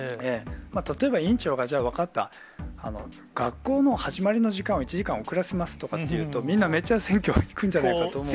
例えば、委員長が例えば、分かった、学校の始まりの時間を１時間遅らせますとかって言うと、みんなめっちゃ選挙に行くんじゃないかと思うんです。